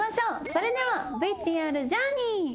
それではＶＴＲジャーニー。